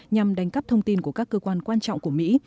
nhằm đánh cắp thông tin của các cơ quan quan trọng của mỹ